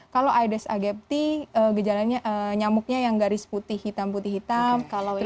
kalau aedes aegypti gejalanya nyamuknya yang garis putih hitam putih hitam